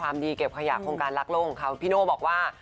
ว่าช่วยเก็บขยะดีกว่า